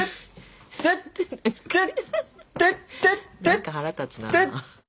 何か腹立つな。